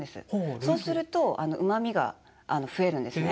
そうするとうまみが増えるんですね。